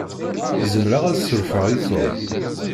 Zemreɣ ad surfeɣ i Tom.